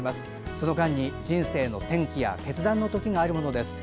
その間に、人生の転機や決断の時があるものです。